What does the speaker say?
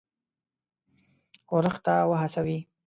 ښورښ ته وهڅوي.